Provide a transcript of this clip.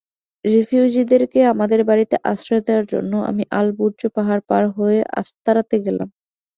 রিফিউজিদেরকে আমাদের বাড়িতে আশ্রয় দেয়ার জন্য আমি আলবুর্জ পাহাড় পার হয়ে আস্তারাতে গেলাম।